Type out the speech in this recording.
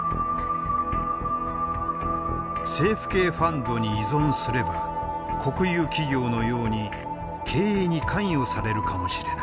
政府系ファンドに依存すれば国有企業のように経営に関与されるかもしれない。